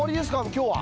今日は。